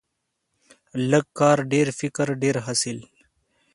لږ کار، ډیر فکر، ډیر حاصل.